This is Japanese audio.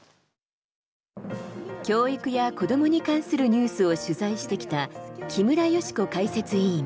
教育や子どもに関するニュースを取材してきた木村祥子解説委員。